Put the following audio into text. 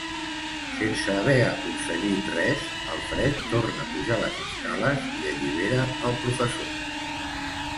Sense haver aconseguit res, Alfred torna a pujar les escales i allibera al Professor.